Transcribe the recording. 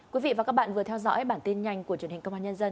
quý vị và các bạn vừa theo dõi bản tin nhanh của truyền hình công an nhân dân